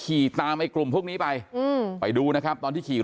ไอ้ไอ้มึงเก็บเบียนหนีนี่